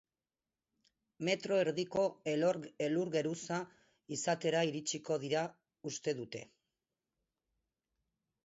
Metro erdiko elur-geruza izatera iritsiko direla uste dute.